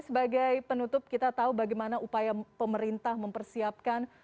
sebagai penutup kita tahu bagaimana upaya pemerintah mempersiapkan